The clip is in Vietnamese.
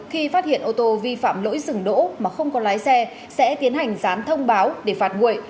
khi phát hiện ô tô vi phạm lỗi dừng đỗ mà không có lái xe sẽ tiến hành gián thông báo để phạt nguội